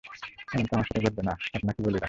এমনটা আমার সাথে ঘটবে না, আপনাকে বলেই রাখলাম।